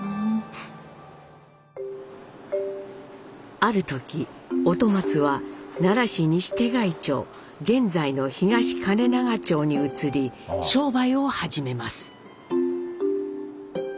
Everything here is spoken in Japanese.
ある時音松は奈良市西手貝町現在の東包永町に移り商売を始めます。